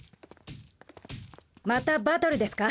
またバトルですか？